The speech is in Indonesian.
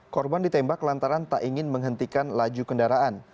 korban ditembak lantaran tak ingin menghentikan laju kendaraan